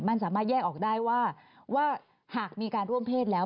มันสามารถแยกออกได้ว่าหากมีการร่วมเพศแล้ว